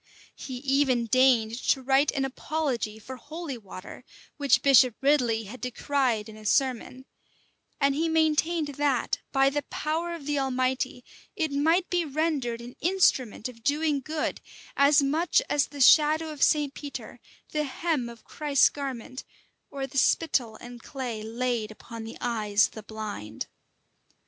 [*] He even deigned to write an apology for "holy water," which Bishop Ridley had decried in a sermon; and he maintained that, by the power of the Almighty, it might be rendered an instrument of doing good, as much as the shadow of St. Peter, the hem of Christ's garment, or the spittle and clay laid upon the eyes of the blind.